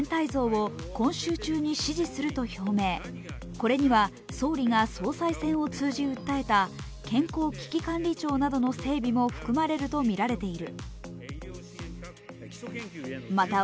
これには総理が総裁選を通じ訴えた健康危機管理庁などの整備も含まれるとみられている。